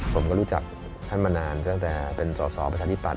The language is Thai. ผมก็รู้จักท่านมานานจากแต่เป็นสอบประธานิปัตย์